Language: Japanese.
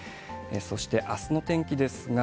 そして、あすの天気ですが、